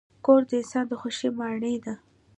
کور د انسان د خوښۍ ماڼۍ ده.